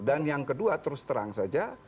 dan yang kedua terus terang saja